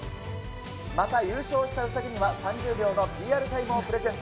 また、優勝したうさぎには３０秒のＰＲタイムをプレゼント。